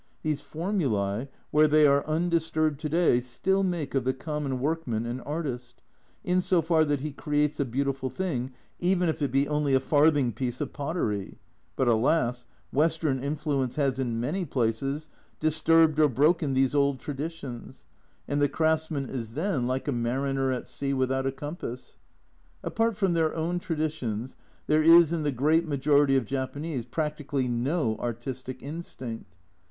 These formulae, where they are undisturbed to day, still make of the common workman an artist, in so far that he creates a beautiful thing, even if it be only a farthing piece of pottery. But alas, Western influence has in many places disturbed or broken these old traditions, and the craftsman is then like a A Journal from Japan 267 mariner at sea without a compass. Apart from their own traditions, there is in the great majority of Japanese practically no artistic instinct.